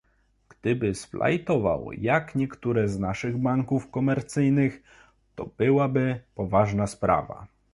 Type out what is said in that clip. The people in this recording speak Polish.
Gdyby splajtował, jak niektóre z naszych banków komercyjnych, to byłaby poważna sprawa